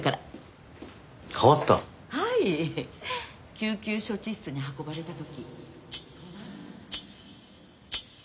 救急処置室に運ばれた時。